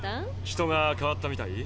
人が変わったみたい？